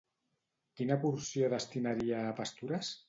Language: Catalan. Quina porció destinaria a pastures?